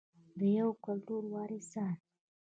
د یو کلتور وارثان.